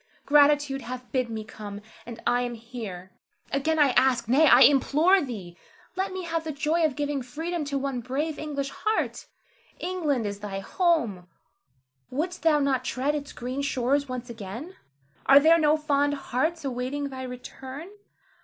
Gratitude hath bid me come, and I am here. Again I ask, nay, I implore thee, let me have the joy of giving freedom to one brave English heart. England is thy home: wouldst thou not tread its green shores once again? Are there no fond hearts awaiting thy return?